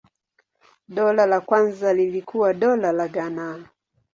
Dola la kwanza lilikuwa Dola la Ghana.